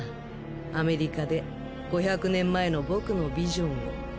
アメリカで５００年前の僕のビジョンを。